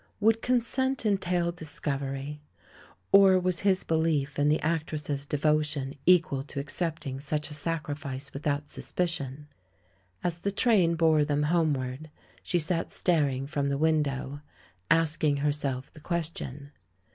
Would consent entail discovery — or was his belief in the actress's devotion equal to accept THE LAURELS AND THE LADY 151 ing such a sacrifice without suspicion? As the train bore them homeward, she sat staring from the window, asking herself the question.